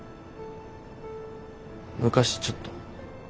昔ちょっと。